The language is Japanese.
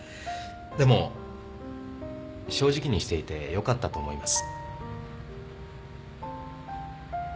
でも正直にしていてよかったと思います。